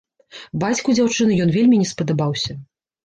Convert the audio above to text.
Бацьку дзяўчыны ён вельмі не спадабаўся.